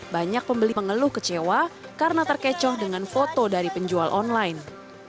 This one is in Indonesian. banyak pembeli mengeluh kecewa karena terkecoh dengan foto dari penjual online